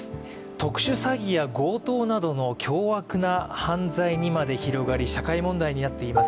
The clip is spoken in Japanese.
特殊詐欺や強盗などの凶悪な犯罪にまで広がり社会問題になっています